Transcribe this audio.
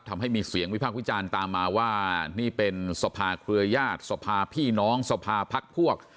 ทำให้มีเสียงวิพากษ์วิจารณ์ตามมาว่านี่เป็นสภาเครือญาติสภาพี่น้องสภาพักพวก